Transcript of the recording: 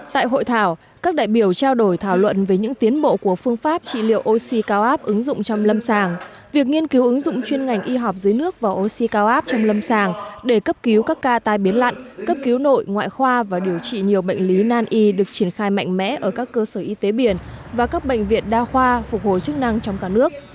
tại hội thảo các đại biểu trao đổi thảo luận về những tiến bộ của phương pháp trị liệu oxy cao áp ứng dụng trong lâm sàng việc nghiên cứu ứng dụng chuyên ngành y học dưới nước và oxy cao áp trong lâm sàng để cấp cứu các ca tai biến lặn cấp cứu nội ngoại khoa và điều trị nhiều bệnh lý nan y được triển khai mạnh mẽ ở các cơ sở y tế biển và các bệnh viện đa khoa phục hồi chức năng trong cả nước